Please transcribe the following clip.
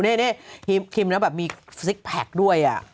นี่คิมนะแบบมีซิกแพคด้วยอ่ะ